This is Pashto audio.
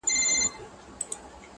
له رویباره مي پوښتمه محلونه د یارانو؛